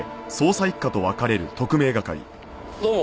どうも。